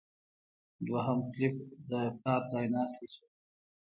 دویم فلیپ د پلار ځایناستی شو.